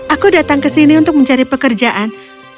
aku datang ke sini untuk mencari pekerjaan